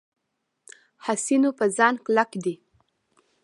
حسینو په ځان کلک دی.